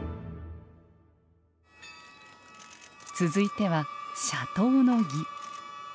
続いては社頭の儀。